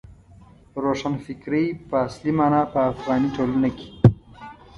روښانفکرۍ په اصلي مانا په افغاني ټولنه کې.